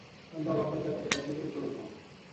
اللہ اکبر کہتے بلے سر اچو رکھنو۔